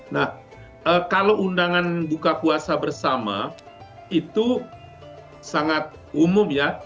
nah kalau undangan buka puasa bersama itu sangat umum ya